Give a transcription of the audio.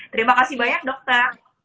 terima kasih banyak dokter